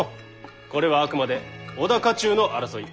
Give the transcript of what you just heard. これはあくまで織田家中の争い。